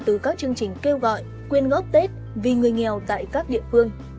từ các chương trình kêu gọi quyên góp tết vì người nghèo tại các địa phương